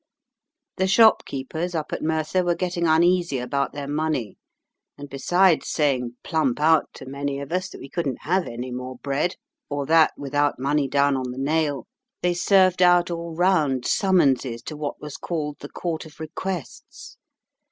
The shopkeepers up at Merthyr were getting uneasy about their money, and besides saying plump out to some of us that we couldn't have any more bread, or that, without money down on the nail, they served out all round summonses to what was called the Court of Requests.